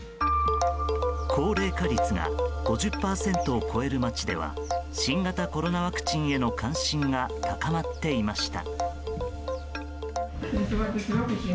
高齢化率が５０％を超える町では新型コロナワクチンへの関心が高まっていました。